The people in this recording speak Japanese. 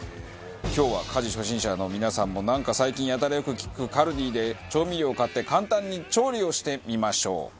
今日は家事初心者の皆さんもなんか最近やたらよく聞くＫＡＬＤＩで調味料を買って簡単に調理をしてみましょう。